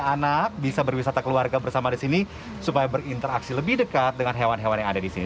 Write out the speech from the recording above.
anak bisa berwisata keluarga bersama di sini supaya berinteraksi lebih dekat dengan hewan hewan yang ada di sini